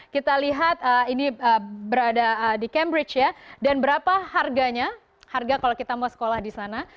kita lihat ini berada di cambridge ya dan berapa harganya harga kalau kita mau sekolah di sana